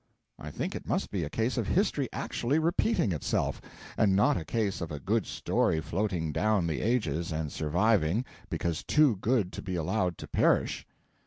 I think it must be a case of history actually repeating itself, and not a case of a good story floating down the ages and surviving because too good to be allowed to perish.